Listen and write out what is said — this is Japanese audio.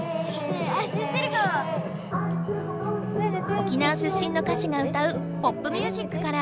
沖縄出身の歌手が歌うポップミュージックから。